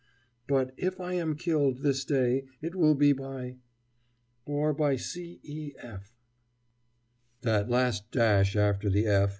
But, if I am killed this day, it will be by ... or by C. E. F.... That last dash after the "F."